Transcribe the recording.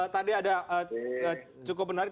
tadi ada cukup menarik